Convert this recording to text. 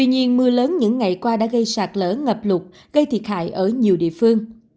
hiện mưa lớn những ngày qua đã gây sạt lỡ ngập lụt gây thiệt hại ở nhiều địa phương